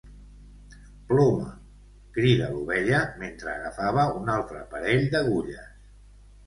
"Ploma!" cridar l'Ovella, mentre agafava un altre parell d'agulles.